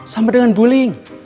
sama dengan bullying